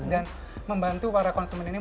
dan membantu para konsumen ini